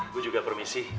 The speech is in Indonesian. gue juga permisi